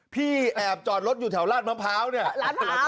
พี่แอบจอดรถอยู่แถวร้านมะพร้าวเนี้ยร้านพร้าว